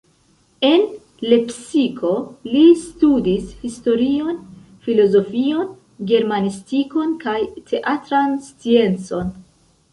En Lepsiko li studis historion, filozofion, germanistikon kaj teatran sciencon.